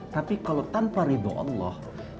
tapi kalau tanpa ridho allah